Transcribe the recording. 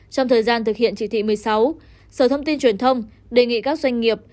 trong thời gian thực hiện chỉ thị một mươi sáu sở thông tin truyền thông đề nghị các doanh nghiệp